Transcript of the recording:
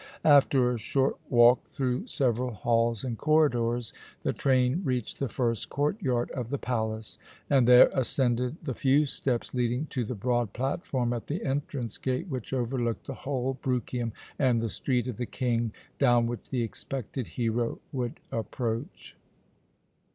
After a short walk through several halls and corridors, the train reached the first court yard of the palace, and there ascended the few steps leading to the broad platform at the entrance gate which overlooked the whole Bruchium and the Street of the King, down which the expected hero would approach.